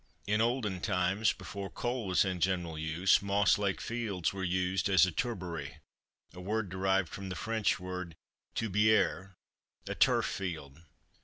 In olden times, before coal was in general use, Moss Lake Fields were used as a "Turbary," a word derived from the French word Tourbiere, a turf field.